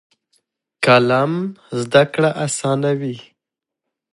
قلم زده کړه اسانوي.